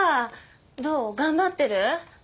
どう？頑張ってる？